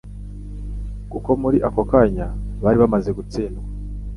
Kuko muri ako kanya bari bamaze gutsindwa,